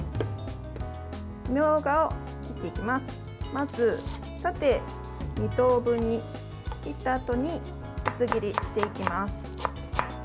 まず、縦２等分に切ったあとに薄切りしていきます。